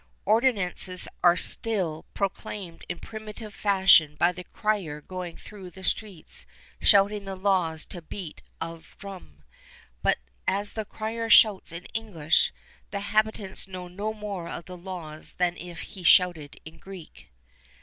Ordinances are still proclaimed in primitive fashion by the crier going through the streets shouting the laws to beat of drum; but as the crier shouts in English, the habitants know no more of the laws than if he shouted in Greek.